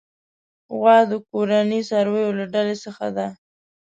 غوا د کورني څارويو له ډلې څخه ده.